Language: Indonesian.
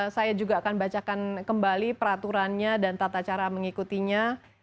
saya juga akan bacakan kembali peraturannya dan tata cara mengikutinya